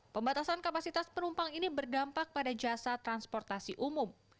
pembatasan kapasitas penumpang ini berdampak pada jasa transportasi umum